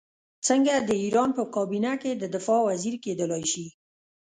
څنګه د ایران په کابینه کې د دفاع وزیر کېدلای شي.